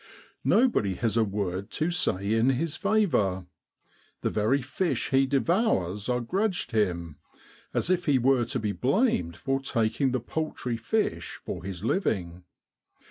Nobody has a word to say in his favour; the very fish he devours are grudged him, as if he were to be blamed for taking the paltry fish for his living.